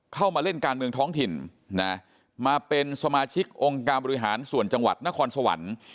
เข้ามาเล่นการเมืองท้องถิ่นนะมาเป็นสมาชิกองค์การบริหารส่วนจังหวัดนครสวรรค์